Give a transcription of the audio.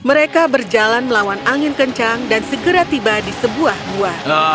mereka berjalan melawan angin kencang dan segera tiba di sebuah gua